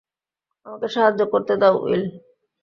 আমাকে সাহায্য করতে দাও, উইল।